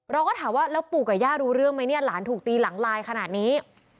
เราก็ถามว่าแล้วปู่กับย่ารู้เรื่องไหมเนี่ยหลานถูกตีหลังลายขนาดนี้